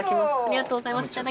ありがとうございます。